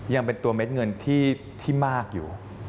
ยังเป็นตัวเม็ดเงินที่มากอยู่